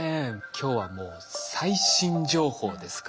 今日はもう最新情報ですから。